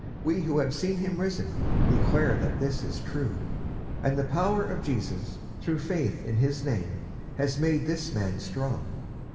We who have seen him risen, declare that this is true. And the power of Jesus, through faith in his name, has made this man strong.